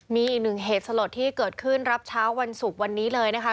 มีอีกหนึ่งเหตุสลดที่เกิดขึ้นรับเช้าวันศุกร์วันนี้เลยนะคะ